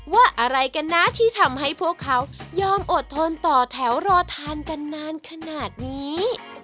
ว่าอะไรกันนะที่ทำให้พวกเขายอมอดทนต่อแถวรอทานกันนานขนาดนี้